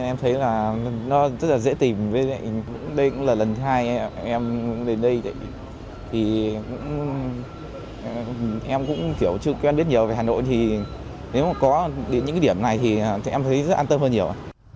em thấy là nó rất là dễ tìm đây cũng là lần hai em đến đây em cũng chưa quen biết nhiều về hà nội nếu có những điểm này thì em thấy rất an tâm hơn nhiều